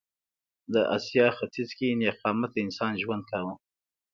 د اسیا ختیځ کې نېغ قامته انسان ژوند کاوه.